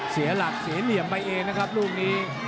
เสียหลักเสียเหลี่ยมไปเองนะครับลูกนี้